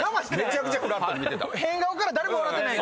変顔から誰も笑ってない。